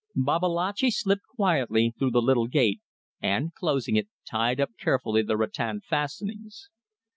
Babalatchi slipped quietly through the little gate and, closing it, tied up carefully the rattan fastenings.